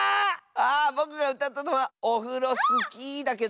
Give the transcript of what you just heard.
あぼくがうたったのはオフロスキーだけど。